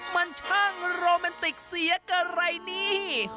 มันช่างโรแมนติกเสียอะไรนี่